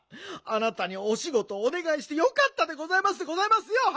あなたにおしごとをおねがいしてよかったでございますでございますよはい！